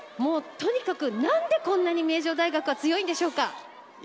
とにかく何でこんなに名城大学は強いんでしょうか。